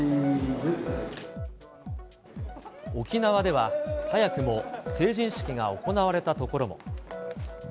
沖縄では、早くも成人式が行われたところも。